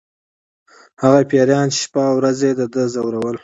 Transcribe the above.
هغه پیریان چې شپه او ورځ یې د ده ځورول